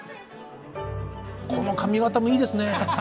この髪形もいいですね。